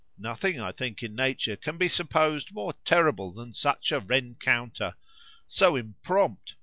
—Nothing, I think, in nature, can be supposed more terrible than such a rencounter,—so imprompt!